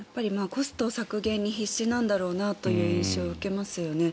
コスト削減に必死なんだろうなという印象を受けますよね。